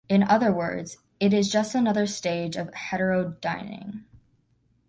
In other words, it is just another stage of heterodyning.